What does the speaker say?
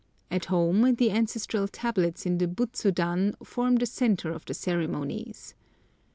At home, the ancestral tablets in the Butsudan form the centre of the ceremonies.